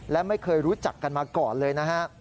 และไม่เคยรู้จักกันมาก่อนเลยนะฮะ